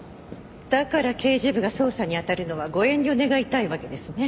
だから刑事部が捜査に当たるのはご遠慮願いたいわけですね。